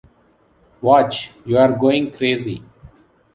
Watch, you are going crazy!